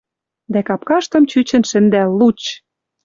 Дӓ капкаштым чӱчӹн шӹндӓ — луч!